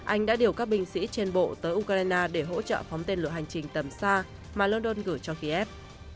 anh đã điều các binh sĩ trên bộ tới ukraine để hỗ trợ phóng tên lửa hành trình tầm xa mà london gửi cho kiev